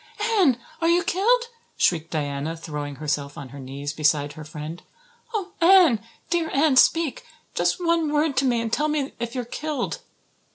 "Anne, are you killed?" shrieked Diana, throwing herself on her knees beside her friend. "Oh, Anne, dear Anne, speak just one word to me and tell me if you're killed."